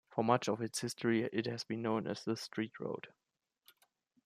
For much of its history it has been known as "the Street road".